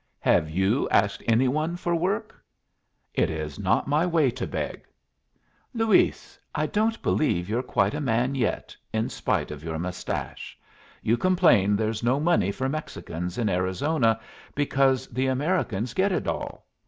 "Have you asked any one for work?" "It is not my way to beg." "Luis, I don't believe you're quite a man yet, in spite of your mustache. You complain there's no money for Mexicans in Arizona because the Americans get it all.